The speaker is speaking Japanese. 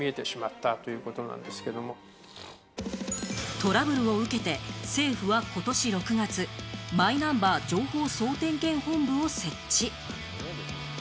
トラブルを受けて政府はことし６月、マイナンバー情報総点検本部を設置。